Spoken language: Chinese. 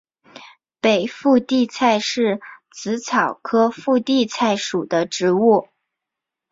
北附地菜是紫草科附地菜属的植物。